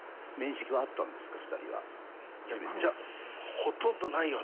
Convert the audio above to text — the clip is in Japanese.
ほとんどないよね。